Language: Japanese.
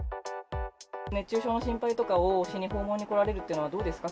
熱中症の心配をしに訪問に来られるというのはどうですか？